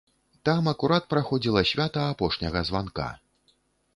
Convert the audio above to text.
Там акурат праходзіла свята апошняга званка.